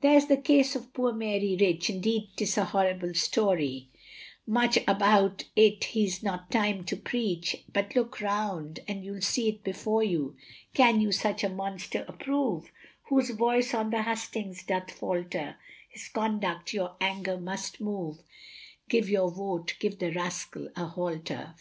There's the case of poor Mary Rich, Indeed 'tis a horrible story, Much about it he's not time to preach, But look round and you'll see it before you. Can you such a monster approve, Whose voice on the Hustings doth falter? His conduct your anger must move Give your Vote give the Rascal a Halter.